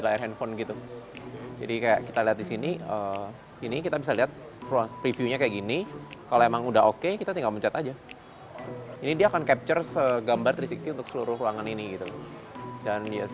perjumpaan kita di cnn indonesia tech news edisi kali ini